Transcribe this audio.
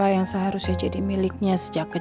jangan coba coba mendekat